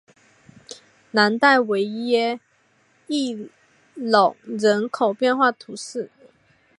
朗代维耶伊勒人口变化图示